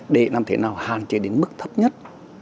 để làm thế nào hạn chế đến mức thấp nhất